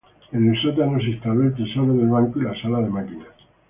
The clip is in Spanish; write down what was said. En el sótano se instaló el tesoro del banco y la sala de máquinas.